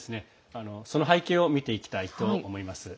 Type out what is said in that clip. その背景を見ていきたいと思います。